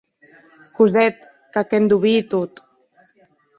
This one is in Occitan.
Cosette, qu’ac endonvii tot.